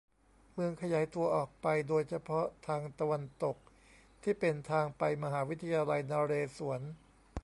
เมืองขยายตัวออกไปโดยเฉพาะทางตะวันตกที่เป็นทางไปมหาวิทยาลัยนเรศวร